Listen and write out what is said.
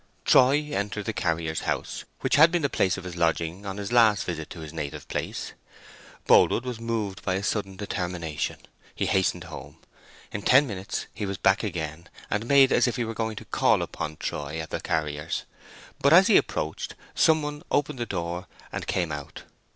Troy entered the carrier's house, which had been the place of his lodging on his last visit to his native place. Boldwood was moved by a sudden determination. He hastened home. In ten minutes he was back again, and made as if he were going to call upon Troy at the carrier's. But as he approached, some one opened the door and came out.